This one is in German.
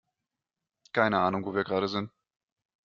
Keine Ahnung, wo wir gerade sind.